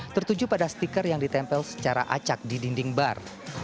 tertuju pada stiker yang ditempel secara acak di dinding bar